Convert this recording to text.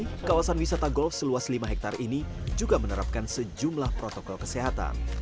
pasan wisata golf seluas lima hektar ini juga menerapkan sejumlah protokol kesehatan